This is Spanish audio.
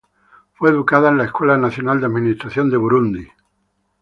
Fue educada en la Escuela Nacional de Administración de Burundi.